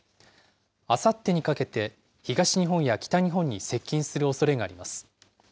あさってにかけて、東日本や北日本に接近するおそれがあります。